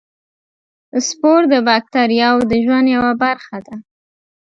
سپور د باکتریاوو د ژوند یوه برخه ده.